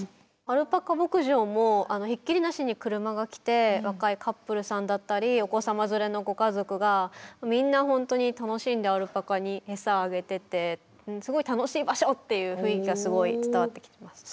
アルパカ牧場もひっきりなしに車が来て若いカップルさんだったりお子様連れのご家族がみんな本当に楽しんでアルパカに餌あげててすごい楽しい場所っていう雰囲気がすごい伝わってきました。